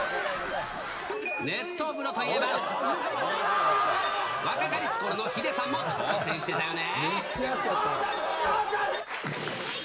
熱湯風呂といえば、若かりしころのヒデさんも挑戦してたよね。